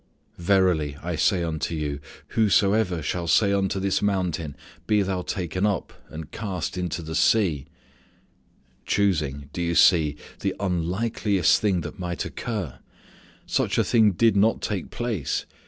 "Verily I say unto you, whosoever shall say unto this mountain, be thou taken up and cast into the sea " Choosing, do you see the unlikeliest thing that might occur. Such a thing did not take place.